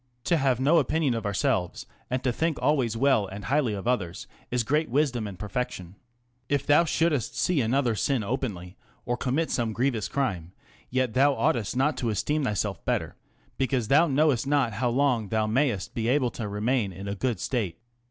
To have no opinion of ourselves^ and to think always well and highly of others, is great wisdom and perfection. If thou shouldest see another sin openly or commit some grievous crime, yet thou oughtest not to esteem thyself better ; because thou knowest not how long thou mayest be able to remain in a good state.